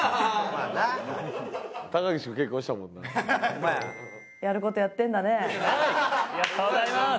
ありがとうございます！